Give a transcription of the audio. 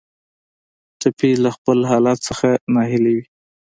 ټپي له خپل حالت نه ناهیلی وي.